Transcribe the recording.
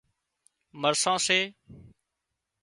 مرسان سي